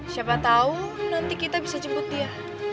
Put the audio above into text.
siapa tahu nanti kita bisa jemput dia